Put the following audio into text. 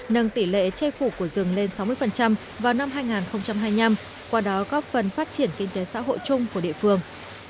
nâng tỷ lệ che phủ của rừng lên sáu mươi vào năm hai nghìn hai mươi năm qua đó góp phần phát triển kinh tế xã hội chung của địa phương